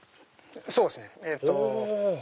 そうですね。